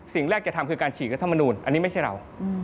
สิ่งแรกจะทำคือการฉีกรัฐมนูลอันนี้ไม่ใช่เรา